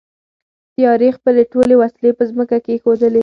تیارې خپلې ټولې وسلې په ځمکه کېښودلې.